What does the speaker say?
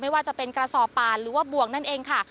ว่าจะเป็นกระสอบป่านหรือว่าบ่วงนั่นเองค่ะ